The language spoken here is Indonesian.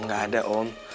nggak ada om